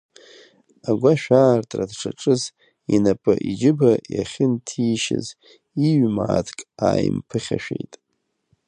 Агәашә аартра дшаҿыз, инапы иџьыба иахьынҭишьыз иҩмааҭк ааимԥыхьашәеит.